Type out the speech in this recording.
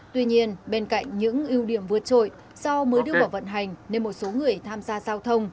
tuy nhiên bên cạnh những ưu điểm vượt trội do mới đưa vào vận hành nên một số người tham gia giao thông